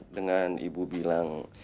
dengan ibu bilang